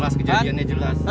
mas kejadiannya jelas